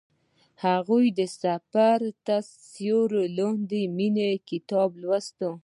هغې د سفر تر سیوري لاندې د مینې کتاب ولوست.